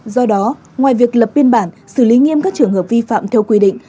do đó ngoài việc lập biên bản xử lý nghiêm các trường hợp vi phạm theo quy định